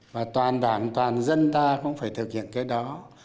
và toàn bản toàn dân ta cũng phải thực hiện cái đó